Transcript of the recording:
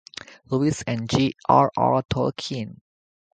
Lewis and J. R. R. Tolkien.